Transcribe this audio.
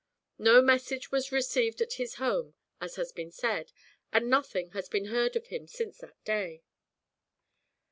No message was received at his home, as has been said, and nothing has been heard of him since that day.